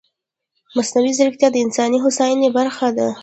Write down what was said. مصنوعي ځیرکتیا د انساني هوساینې برخه ده.